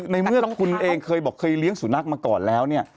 ในเมื่อคุณเองเคยบอกเคยเลี้ยงสุนัขมาก่อนแล้วเนี่ย